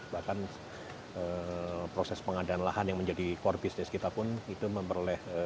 bahkan proses pengadaan lahan yang menjadi core business kita pun itu memperoleh